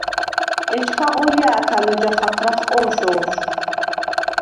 ეჩქა ღოლჲა̄ქა̈ ლჷჯა ხათრახ ყო̄შო̄ლშვ.